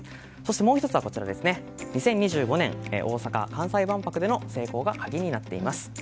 そして、もう１つは２０２５年大阪・関西万博での成功が鍵になっています。